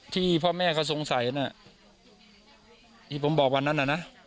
ที่พ่อแม่เขาสงสัยน่ะที่ผมบอกวันนั้นน่ะนะ